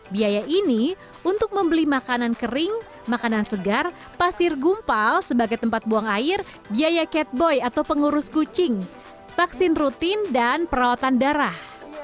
biaya ini untuk membeli makanan kering makanan segar pasir gumpal sebagai tempat buang air biaya catboy atau pengurus kucing vaksin rutin dan perawatan darah